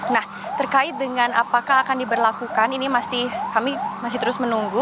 nah terkait dengan apakah akan diberlakukan ini masih kami masih terus menunggu